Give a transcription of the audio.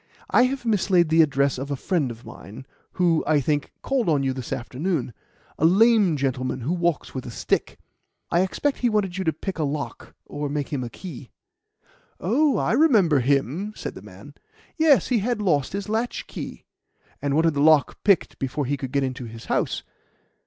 I have mislaid the address of a friend of mine, who, I think, called on you this afternoon a lame gentleman who walks with a stick. I expect he wanted you to pick a lock or make him a key." "Oh, I remember him!" said the man. "Yes, he had lost his latchkey, and wanted the lock picked before he could get into his house.